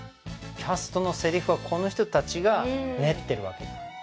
キャストのセリフはこの人達が練ってるわけだ